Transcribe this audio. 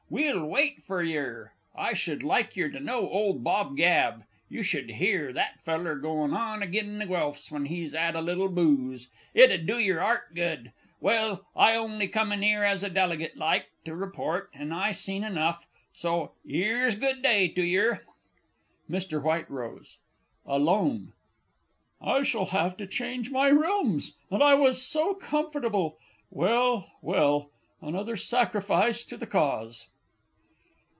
We'll wait for yer. I should like yer to know ole Bill Gabb. You should 'ear that feller goin' on agin the Guelphs when he's 'ad a little booze it 'ud do your 'art good. Well, I on'y come in 'ere as a deligate like, to report, and I seen enough. So 'ere's good day to yer. MR W. (alone). I shall have to change my rooms and I was so comfortable! Well, well, another sacrifice to the Cause!